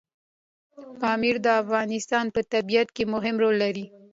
پامیر د افغانستان په طبیعت کې مهم رول لري.